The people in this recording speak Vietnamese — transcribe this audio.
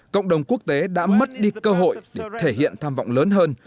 cộng đồng quốc tế đã mất đi cơ hội để thể hiện tham vọng lớn hơn